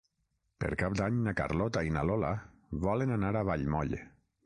Per Cap d'Any na Carlota i na Lola volen anar a Vallmoll.